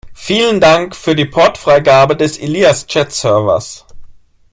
Vielen Dank für die Portfreigabe des Ilias Chat-Servers!